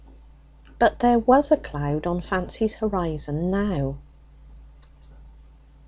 But there was a cloud on Fancy's horizon now.